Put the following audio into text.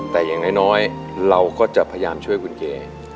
แต่อย่างน้อยเราก็จะพยายามช่วยคุณเก